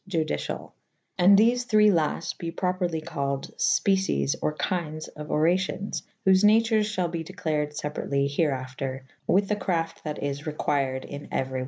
Judiciall/ and thefe thre lafte be properly callid fpeces* or kindes of oracions / whofe natures fhalbe declarid feperatly here after with the crafte that is required i[n] euery [A v b] of them.